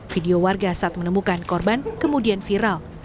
video warga saat menemukan korban kemudian viral